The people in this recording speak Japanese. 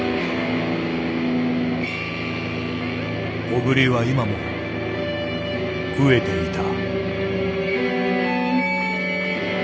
小栗は今も飢えていた。